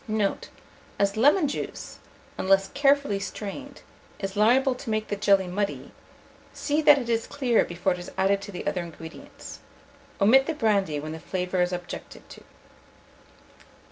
Note. As lemon juice, unless carefully strained, is liable to make the jelly muddy, see that it is clear before it is added to the other ingredients. Omit the brandy when the flavour is objected to.